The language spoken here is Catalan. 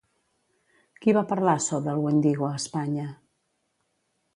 Qui va parlar sobre el Wendigo a Espanya?